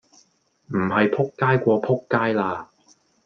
唔係仆街過仆街啦